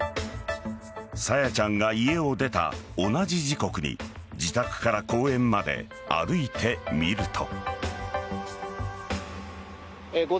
朝芽ちゃんが家を出た同じ時刻に自宅から公園まで歩いてみると。